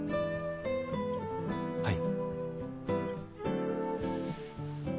はい。